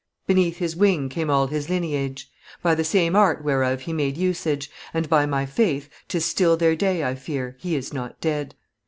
Beneath his wing came all his lineage, By the same art whereof he made usage And, by my faith, 'tis still their day, I fear. He is not dead.